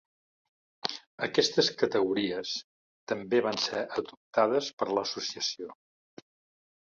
Aquestes categories també van ser adoptades per l'Associació.